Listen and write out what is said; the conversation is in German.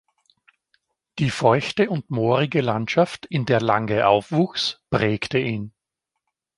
Die feuchte und moorige Landschaft, in der Lange aufwuchs, prägte ihn.